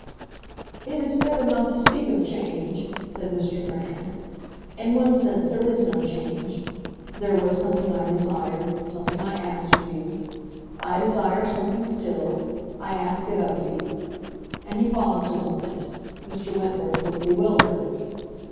"It is better not to speak of change," said Mr. Brand. "In one sense there is no change. There was something I desired—something I asked of you; I desire something still—I ask it of you." And he paused a moment; Mr. Wentworth looked bewildered.